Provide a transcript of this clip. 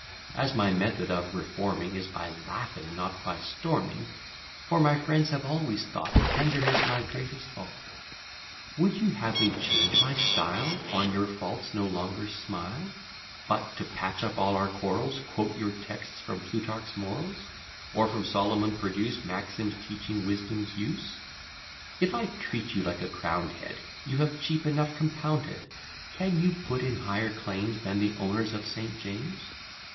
As my method of reforming, Is by laughing, not by storming, (For my friends have always thought Tenderness my greatest fault,) Would you have me change my style? On your faults no longer smile; But, to patch up all our quarrels, Quote you texts from Plutarch's Morals, Or from Solomon produce Maxims teaching Wisdom's use? If I treat you like a crown'd head, You have cheap enough compounded; Can you put in higher claims, Than the owners of St. James?